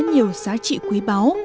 nhiều giá trị quý báu